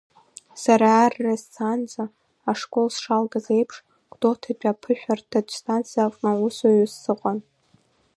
Сара арра сцаанӡа ашкол сшалгаз еиԥш Гәдоуҭатәи аԥышәарҭатә станциаҟны усуҩыс сыҟан.